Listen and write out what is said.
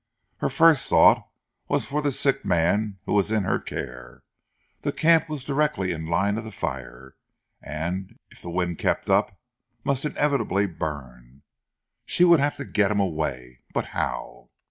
Her first thought was for the sick man who was in her care. The camp was directly in the line of fire, and, if the wind kept up, must inevitably burn. She would have to get him away. But how?